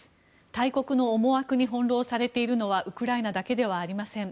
大国の思惑に翻ろうされているのはウクライナだけではありません。